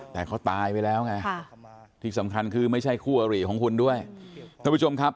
แต่เขาตายไปแล้วไงที่สำคัญคือไม่ใช่คู่อริของคุณด้วยท่านผู้ชมครับ